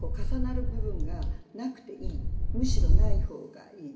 むしろない方がいい。